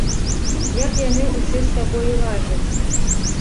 Як яны ўсе з табою ладзяць?